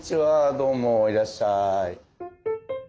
どうもいらっしゃい。